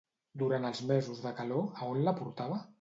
Durant els mesos de calor, a on la portava?